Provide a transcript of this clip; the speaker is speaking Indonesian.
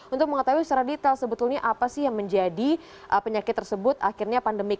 untuk mengetahui secara detail sebetulnya apa sih yang menjadi penyakit tersebut akhirnya pandemik